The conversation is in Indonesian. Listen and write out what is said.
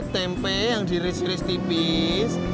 tempe yang diris risk tipis